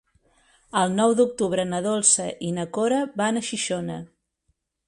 El nou d'octubre na Dolça i na Cora van a Xixona.